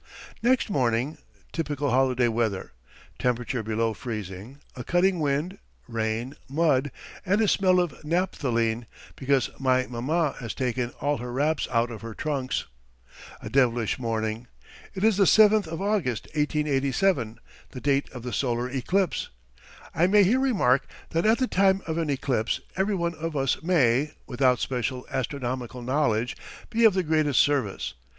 Next morning. Typical holiday weather. Temperature below freezing, a cutting wind, rain, mud, and a smell of naphthaline, because my maman has taken all her wraps out of her trunks. A devilish morning! It is the 7th of August, 1887, the date of the solar eclipse. I may here remark that at the time of an eclipse every one of us may, without special astronomical knowledge, be of the greatest service.